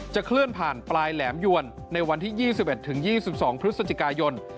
เคลื่อนผ่านปลายแหลมยวนในวันที่๒๑๒๒พฤศจิกายน